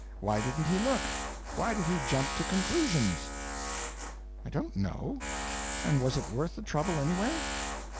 Why didn't he look? Why did he jump to conclusions?' 'I don't know. And was it worth the trouble, anyway?'